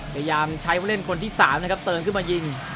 พยายามใช้ผู้เล่นคนที่๓นะครับเติมขึ้นมายิง